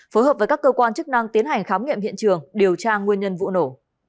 phối hợp với các cơ quan chức năng tiến hành khám nghiệm hiện trường điều tra nguyên nhân vụ nổ